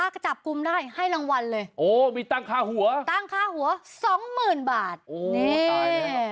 ก็จับกลุ่มได้ให้รางวัลเลยโอ้มีตั้งค่าหัวตั้งค่าหัวสองหมื่นบาทโอ้นี่